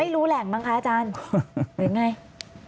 ไม่รู้แหล่งบ้างค่ะอาจารย์หรืออย่างไร